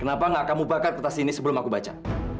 kenapa enggak kamu bakat ke tas ini sebelum aku baca